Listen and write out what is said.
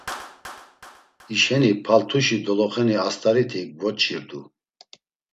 Hişeni paltuşi doloxeni ast̆ariti gvoç̌irdu.